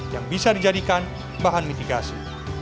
yang bisa dijadikan bahan mitigasi